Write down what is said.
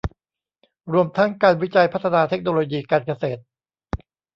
รวมทั้งการวิจัยพัฒนาเทคโนโลยีการเกษตร